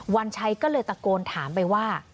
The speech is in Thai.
วันชัยก็เลยตะโกนถามไปว่า